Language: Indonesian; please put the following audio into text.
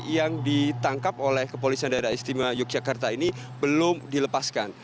yang ditangkap oleh kepolisian daerah istimewa yogyakarta ini belum dilepaskan